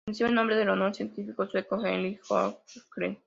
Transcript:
Recibe el nombre en honor al científico sueco Henrik Sjögren.